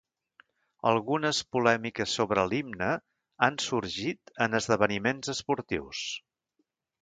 Algunes polèmiques sobre l'himne han sorgit en esdeveniments esportius.